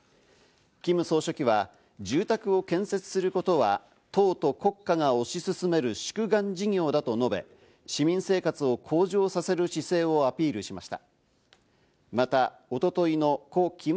キム総書記は住宅を建設することは党と国家が推し進める宿願事業だと述べ、市民生活を向上させる姿勢をアピールしました。